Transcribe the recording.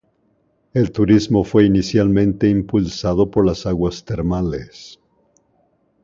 El turismo fue inicialmente impulsado por las aguas termales.